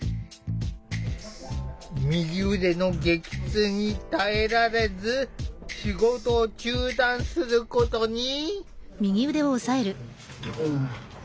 右腕の激痛に耐えられず仕事を中断することに。